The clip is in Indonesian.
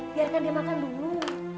biarkan dia makan dulu